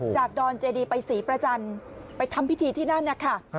ดอนเจดีไปศรีประจันทร์ไปทำพิธีที่นั่นนะคะ